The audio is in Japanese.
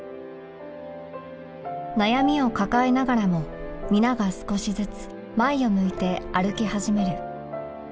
悩みを抱えながらも皆が少しずつ前を向いて歩き始める